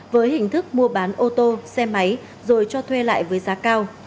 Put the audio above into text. với hình thức mua bán ô tô xe máy rồi cho thuê lại với giá cao